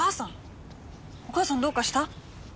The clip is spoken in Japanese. お母さんどうかした？